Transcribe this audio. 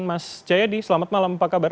mas jayadi selamat malam apa kabar